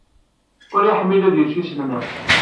Ur iḥemmel ad yecc iselman.